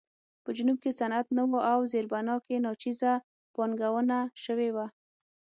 په جنوب کې صنعت نه و او زیربنا کې ناچیزه پانګونه شوې وه.